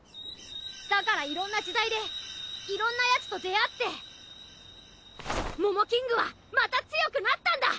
だからいろんな時代でいろんなヤツと出会ってモモキングはまた強くなったんだ！